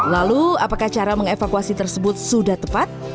lalu apakah cara mengevakuasi tersebut sudah tepat